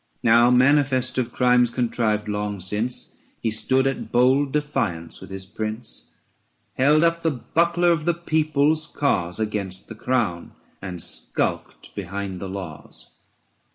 Now, manifest of crimes contrived long since, He stood at bold defiance with his Prince, 305 Held up the buckler of the people's cause Against the crown, and skulked behind the laws.